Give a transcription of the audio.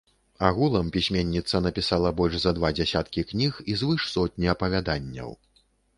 Агулам пісьменніца напісала больш за два дзясяткі кніг і звыш сотні апавяданняў.